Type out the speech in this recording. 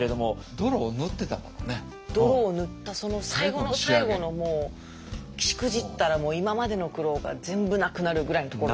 泥を塗ったその最後の最後のもうしくじったらもう今までの苦労が全部なくなるぐらいのところ。